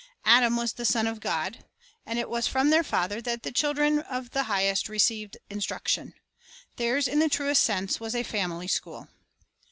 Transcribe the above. Adam was "the son of God," 1 and it was from their Father that the children of the Highest received instruction. Theirs, in the truest sense, was a family school.